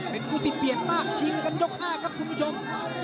เป็นคู่ที่เปลี่ยนมากชิงกันยก๕ครับคุณผู้ชม